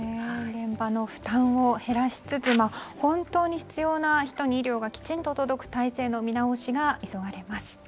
現場の負担を減らしつつ本当に必要な人に医療がきちんと届く体制の見直しが急がれます。